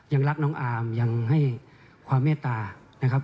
ยังรักน้องอาร์มยังให้ความเมตตานะครับ